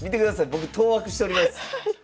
僕当惑しております。